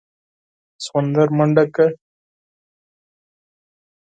سخوندر منډه کړه.